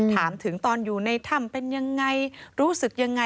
ถามถึงตอนอยู่ในถ้ำเป็นยังไงรู้สึกยังไง